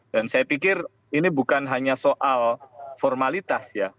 dan saya pikir ini bukan hanya soal formalitas ya